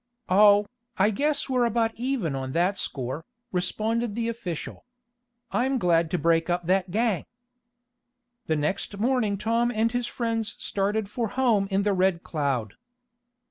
"Oh, I guess we're about even on that score," responded the official. "I'm glad to break up that gang." The next morning Tom and his friends started for home in the Red Cloud.